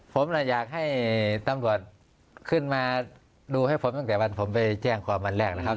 ผมอยากให้ตำรวจขึ้นมาดูให้ผมตั้งแต่วันผมไปแจ้งความวันแรกนะครับ